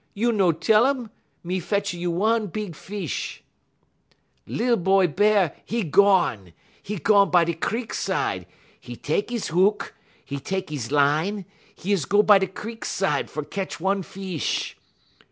You no tell um, me fetch a you one big fish.' "Lil boy Bear, 'e gone! 'E gone by da crik side, 'e tek 'e hook, 'e tek 'e line, 'e is go by da crik side fer ketch one fish.